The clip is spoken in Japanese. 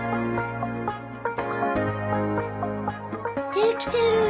できてる。